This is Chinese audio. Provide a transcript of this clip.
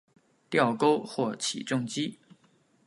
吊钩或起重机。